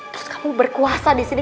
terus kamu berkuasa disini